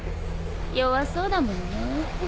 弱そうだものね。